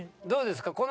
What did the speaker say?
どうですか？